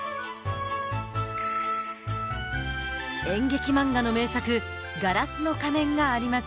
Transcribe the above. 演劇漫画の名作「ガラスの仮面」があります。